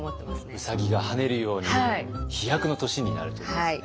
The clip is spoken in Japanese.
ウサギが跳ねるように飛躍の年になるといいですね。